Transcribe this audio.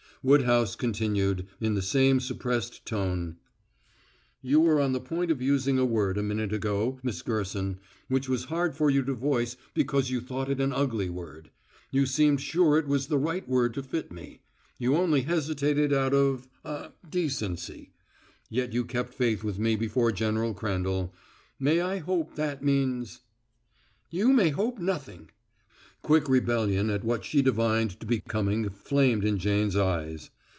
Woodhouse continued, in the same suppressed tone: "You were on the point of using a word a minute ago, Miss Gerson, which was hard for you to voice because you thought it an ugly word. You seemed sure it was the right word to fit me. You only hesitated out of ah decency. Yet you kept faith with me before General Crandall. May I hope that means " "You may hope nothing!" Quick rebellion at what she divined to be coming flamed in Jane's eyes.